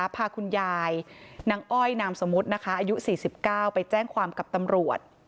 พาคุณยายนางอ้อยนามสมมุตินะคะอายุ๔๙ไปแจ้งความกับตำรวจ